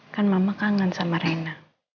kan mama kangen sama rena